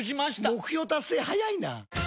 目標達成早いな！